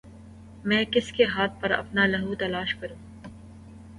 میں کس کے ہاتھ پر اپنا لہو تلاش کروں